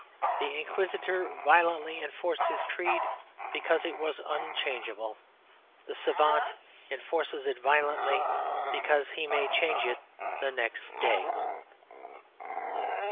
The Inquisitor violently enforced his creed, because it was unchangeable. The savant enforces it violently because he may change it the next day.